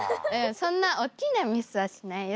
そんなおっきなミスはしないよ